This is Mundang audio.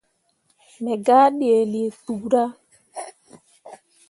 Me gah ɗǝǝne lii kpura.